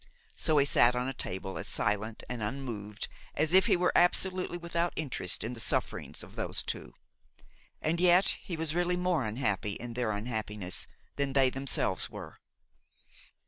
So he sat on a table, as silent and unmoved as if he were absolutely without interest in the sufferings of those two, and yet he was really more unhappy in their unhappiness than they themselves were.